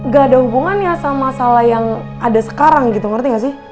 gak ada hubungannya sama salah yang ada sekarang gitu ngerti gak sih